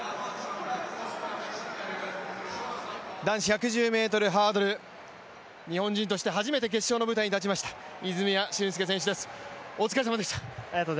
男子１１０ｍハードル、日本人として初めて決勝の舞台に立ちました泉谷駿介選手です、お疲れさまでした。